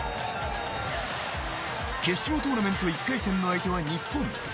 決勝トーナメント１回戦の相手は日本。